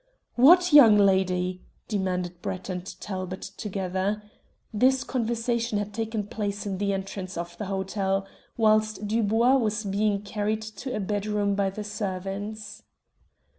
"What young lady?" demanded Brett and Talbot together. This conversation had taken place in the entrance of the hotel, whilst Dubois was being carried to a bedroom by the servants.